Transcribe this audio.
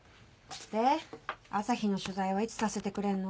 で朝陽の取材はいつさせてくれんの？